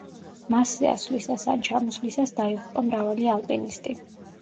მასზე ასვლისას ან ჩამოსვლისას დაიღუპა მრავალი ალპინისტი.